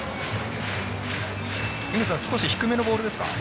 井口さん、少し低めのボールですか？